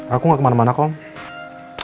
aku gak kemana mana kok